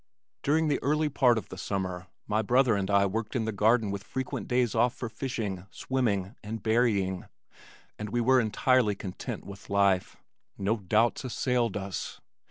During the early part of the summer my brother and I worked in the garden with frequent days off for fishing, swimming and berrying, and we were entirely content with life. No doubts assailed us.